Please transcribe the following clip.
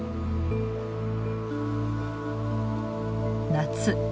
夏。